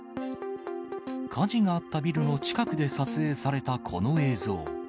火事があったビルの近くで撮影されたこの映像。